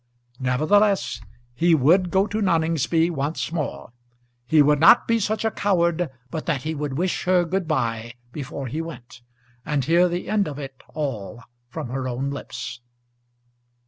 Nevertheless he would go to Noningsby once more. He would not be such a coward but that he would wish her good bye before he went, and hear the end of it all from her own lips.